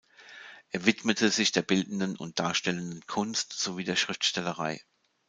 Er widmete sich der bildenden und darstellenden Kunst sowie der Schriftstellerei.